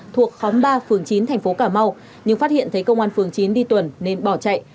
thuộc khóm ba phường chín thành phố cà mau nhưng phát hiện thấy công an phường chín đi tuần nên bỏ chạy